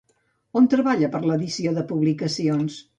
On treballa per a l'edició de publicacions?